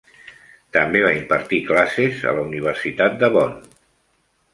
També va impartir classes a la Universitat de Bonn.